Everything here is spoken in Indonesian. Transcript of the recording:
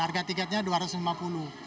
harga tiketnya rp dua ratus lima puluh